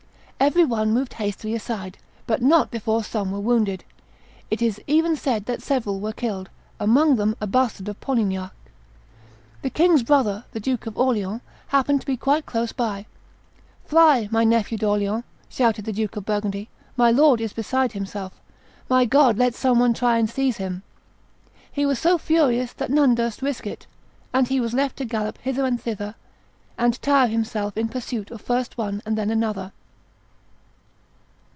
Every one moved hastily aside, but not before some were wounded; it is even said that several were killed, among them a bastard of Polignac. The king's brother, the Duke of Orleans, happened to be quite close by. 'Fly, my nephew d'Orleans,' shouted the Duke of Burgundy: 'my lord is beside himself. My God! let some one try and seize him!' He was so furious that none durst risk it; and he was left to gallop hither and thither, and tire himself in pursuit of first one and then another.